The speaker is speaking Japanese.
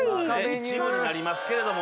一部になりますけれども。